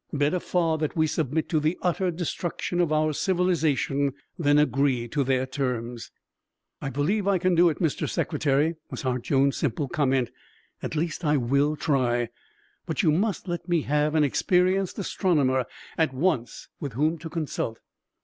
Better far that we submit to the utter destruction of our civilization than agree to their terms." "I believe I can do it, Mr. Secretary," was Hart Jones' simple comment. "At least I will try. But you must let me have an experienced astronomer at once with whom to consult."